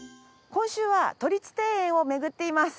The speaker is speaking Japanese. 今週は都立庭園を巡っています。